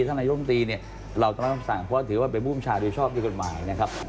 ท่านนายกรมตรีเนี่ยเราต้องรับคำสั่งเพราะถือว่าเป็นบุคคลชาติดชอบที่เป็นหมายนะครับ